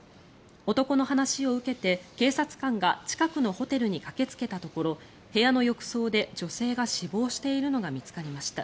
男の話を受けて警察官が近くのホテルに駆けつけたところ部屋の浴槽で女性が死亡しているのが見つかりました。